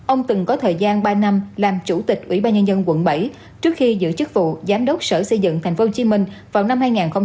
ông từng có thời gian ba năm làm chủ tịch ủy ban nhân dân quận bảy trước khi giữ chức vụ giám đốc sở xây dựng tp hcm vào năm hai nghìn một mươi